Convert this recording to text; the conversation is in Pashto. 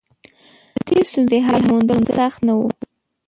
د دې ستونزې حل موندل سخت نه و.